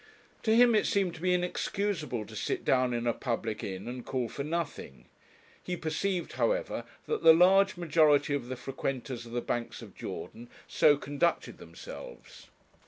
To him it seemed to be inexcusable to sit down in a public inn and call for nothing; he perceived, however, that the large majority of the frequenters of the 'Banks of Jordan' so conducted themselves.